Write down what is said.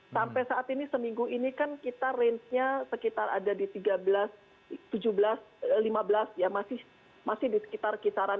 sampai saat ini seminggu ini kan kita range nya sekitar ada di tiga belas tujuh belas lima belas ya masih di sekitar kisaran